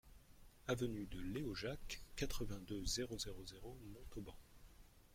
Avenue de Léojac, quatre-vingt-deux, zéro zéro zéro Montauban